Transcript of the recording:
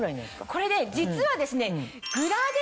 これ実はですね。